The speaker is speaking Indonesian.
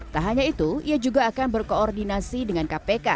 tak hanya itu ia juga akan berkoordinasi dengan kpk